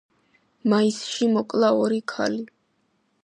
მაისში მოკლა ორი ქალი.